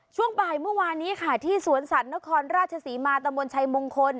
ช่วงบ่ายเมื่อวานนี้ค่ะที่สวนสัตว์นครราชศรีมาตะมนต์ชัยมงคล